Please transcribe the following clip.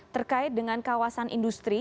terkait dengan kawasan industri